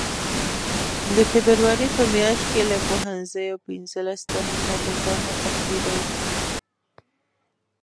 د فبروري په میاشت کې له پوهنځیو پنځلس تنه شاګردان وتښتېدل.